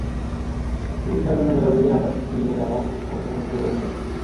চিকিত্সার জন্য ভেলোরে গিয়ে হঠাৎ মিলে যাওয়া অবসরে ঘুরতে বের হয়েছিলাম।